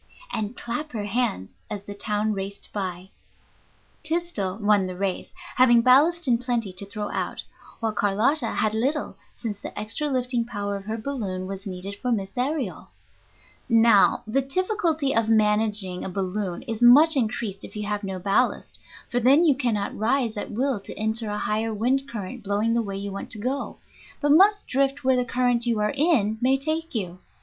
and clap her hands as the town raced by. [Illustration: MME. CARLOTTA CALLS FOR ASSISTANCE FROM ANOTHER BALLOONIST THREE MILES AWAY.] Tysdell won the race, having ballast in plenty to throw out, while Carlotta had little, since the extra lifting power of her balloon was needed for Miss Aërial. Now, the difficulty of managing a balloon is much increased if you have no ballast, for then you cannot rise at will to enter a higher wind current blowing the way you want to go, but must drift where the current you are in may take you.